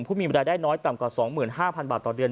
ผู้มีเวลาได้น้อยต่ำกว่า๒๕๐๐บาทต่อเดือน